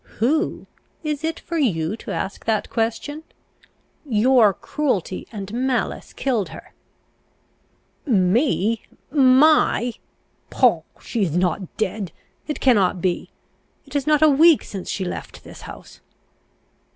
"Who? Is it for you to ask that question? Your cruelty and malice killed her!" "Me? my? Poh! she is not dead it cannot be it is not a week since she left this house."